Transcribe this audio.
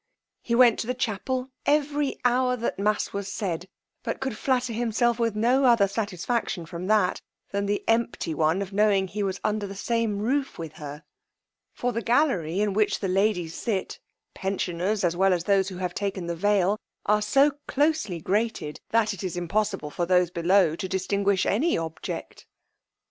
He went to the chapel every hour that mass was said, but could flatter himself with no other satisfaction from that than the empty one of knowing he was under the same roof with her; for the gallery in which the ladies sit, pensioners, as well as those who have taken the veil, are so closely grated, that it is impossible for those below to distinguish any object.